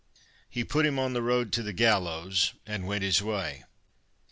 He put him on the road to the gallows, and went his way.